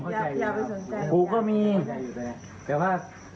เดี๋ยวมา